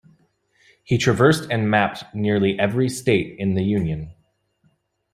He traversed and mapped nearly every state in the Union.